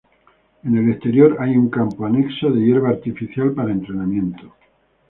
En el exterior hay un campo anexo de hierba artificial para entrenamientos.